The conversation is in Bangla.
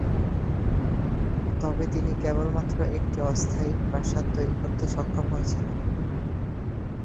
তবে তিনি কেবলমাত্র একটি অস্থায়ী প্রাসাদ তৈরি করতে সক্ষম হয়েছিল।